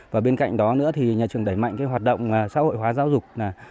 và bên cạnh đó nữa thì nhà trường đẩy mạnh cái hoạt động xã hội hóa giáo dục